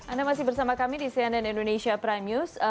anda masih bersama kami di cnn indonesia prime news